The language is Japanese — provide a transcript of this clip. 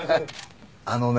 あのね。